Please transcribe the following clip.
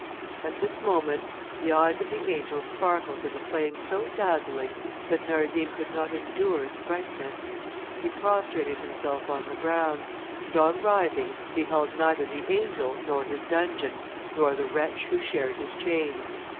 At this moment the eyes of the angel sparkled with a flame so dazzling, that Narzim could not endure its brightness. He prostrated himself on the ground, and on rising, beheld neither the angel nor his dungeon, nor the wretch who shared his chains.